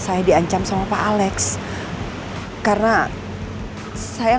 sampai jumpa di video selanjutnya